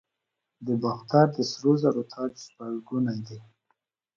د باختر د سرو زرو تاج شپږ ګونی دی